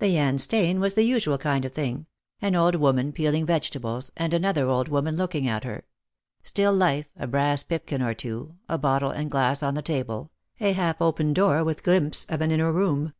The Jan 56 Jbost for Love. Steen wa3 the usual kind of thing — an old woman peeling vegetables, and another old woman looking at her; still life, a brass pipkin or two, a bottle and glass on the table, a half open door with glimpse of inner room.